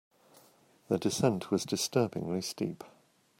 The descent was disturbingly steep.